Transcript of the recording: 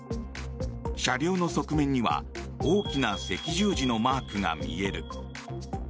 車両の側面には大きな赤十字のマークが見える。